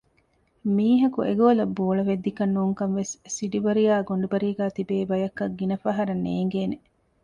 މީހަކު އެ ގޯލަށް ބޯޅަ ވެއްދިކަން ނޫންކަން ވެސް ސިޑިބަރިއާއި ގޮނޑިބަރީގައި ތިބޭ ބަޔަކަށް ގިނަފަހަރަށް ނޭނގޭނެ